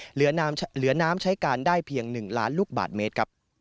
เหลือน้ำใช้การได้เพียง๑ล้านลูกบาทเมตรครับ